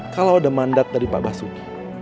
kalau ada mandat dari pak basuki